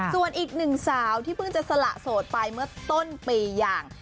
ส่วนอีกหนึ่งสาวที่เพิ่งจะสละโสดไปเมื่อต้นปีอย่าง